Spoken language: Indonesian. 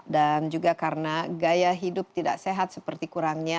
dan juga karena gaya hidup tidak sehat seperti kurangnya